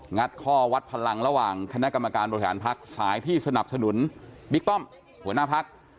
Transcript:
ัดข้อวัดพลังระหว่างคณะกรรมการบริหารพักสายที่สนับสนุนบิ๊กป้อมหัวหน้าพัก